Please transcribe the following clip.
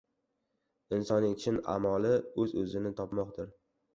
• Insonning chin a’moli — o‘z-o‘zini topmoqdir.